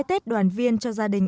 cái tết đoàn viên cho gia đình